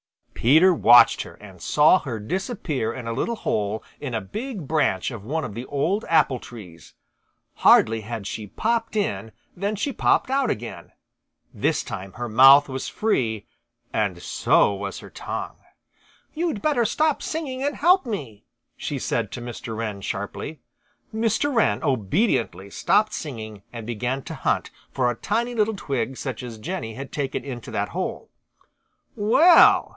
Peter watched her and saw her disappear in a little hole in a big branch of one of the old apple trees. Hardly had she popped in than she popped out again. This time her mouth was free, and so was her tongue. "You'd better stop singing and help me," she said to Mr. Wren sharply. Mr. Wren obediently stopped singing and began to hunt for a tiny little twig such as Jenny had taken into that hole. "Well!"